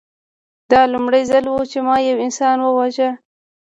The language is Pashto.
دا لومړی ځل و چې ما یو انسان وواژه